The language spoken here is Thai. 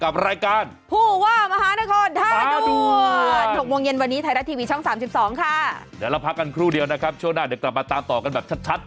แบบนี้ครับ